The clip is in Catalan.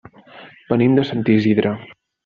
Venim de Sant Isidre.